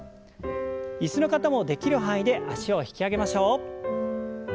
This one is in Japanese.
椅子の方もできる範囲で脚を引き上げましょう。